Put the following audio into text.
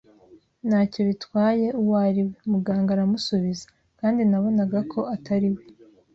ntacyo bitwaye uwo ari we. ”Muganga aramusubiza. Kandi nabonaga ko atari we